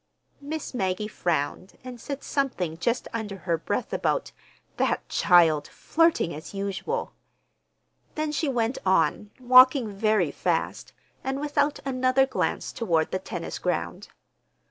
Miss Maggie frowned and said something just under her breath about "that child—flirting as usual!" Then she went on, walking very fast, and without another glance toward the tennis ground.